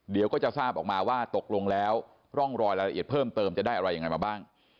เดี๋ยวก็จะทราบออกมาว่าตกลงแล้วร่องรอยรายละเอียดเพิ่มเติมจะได้อะไรยังไงมาบ้าง